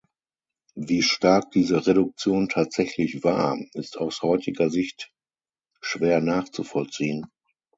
Wie stark diese Reduktion tatsächlich war, ist aus heutiger Sicht schwer nachzuvollziehen.